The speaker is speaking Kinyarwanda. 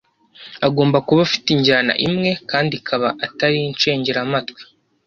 agomba kuba afite injyana imwe kandi ikaba Atari incengeramatwi